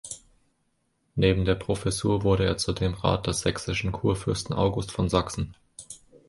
Neben der Professur wurde er zudem Rat des sächsischen Kurfürsten August von Sachsen.